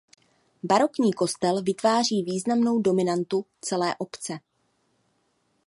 Barokní kostel vytváří významnou dominantu celé obce.